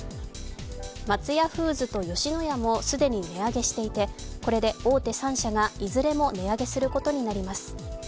松屋フーズと吉野家も既に値上げしていてこれで大手３社がいずれも値上げすることになります。